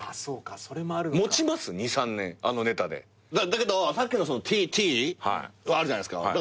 だけどさっきの「Ｔ」あるじゃないっすか。